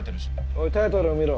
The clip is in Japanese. おいタイトルを見ろ。